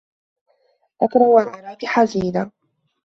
أكره أن أراكِ حزينة.